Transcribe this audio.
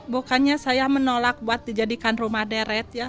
bukannya saya menolak buat dijadikan rumah deret ya